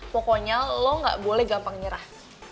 pokoknya lo gak boleh gampang nyerah